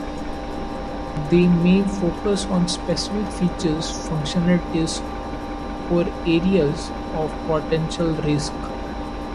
They may focus on specific features, functionalities, or areas of potential risk.